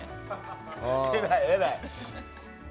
偉い、偉い。